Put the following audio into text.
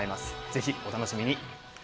ぜひお楽しみに。